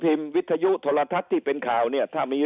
พิมพ์วิทยุทรทัยทรัทะทที่เป็นขาวเนี้ยถ้ามีเรื่อง